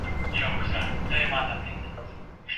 ميرويس خان نيکه د قوم مشرانو ته خپل وروستی وصیت څه وکړ؟